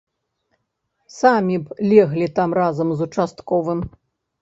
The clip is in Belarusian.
Самі б леглі там разам з участковым.